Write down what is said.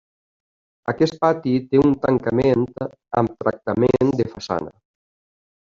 Aquest pati té un tancament amb tractament de façana.